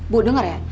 bu denger ya